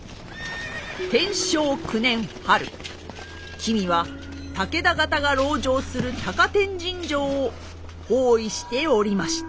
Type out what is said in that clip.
君は武田方が籠城する高天神城を包囲しておりました。